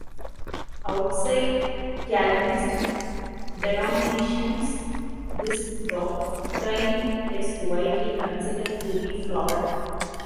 Outside Calvinist denominations this doctrine is widely considered to be flawed.